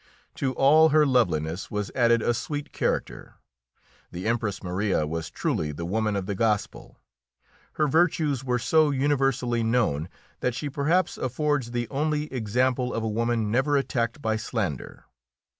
To all her loveliness was added a sweet character. The Empress Maria was truly the woman of the Gospel; her virtues were so universally known that she perhaps affords the only example of a woman never attacked by slander.